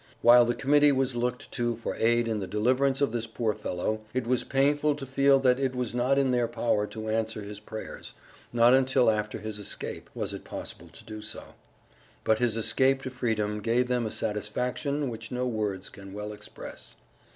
While the Committee was looked to for aid in the deliverance of this poor fellow, it was painful to feel that it was not in their power to answer his prayers not until after his escape, was it possible so to do. But his escape to freedom gave them a satisfaction which no words can well express.